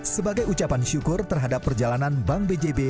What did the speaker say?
sebagai ucapan syukur terhadap perjalanan bank bjb